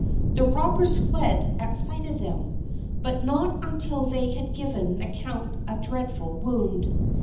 The robbers fled at sight of them, but not until they had given the count a dreadful wound.